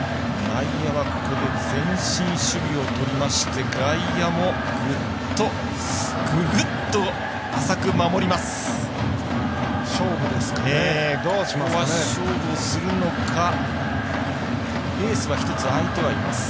内野は前進守備をとりまして外野もググッと浅く守ります。